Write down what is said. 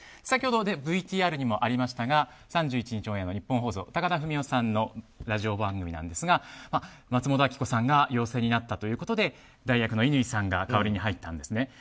先ほどＶＴＲにもありましたが３１日の高田文夫さんのラジオ番組ですが松本明子さんが陽性になったということで代役の乾さんが代わりに入ったんですね。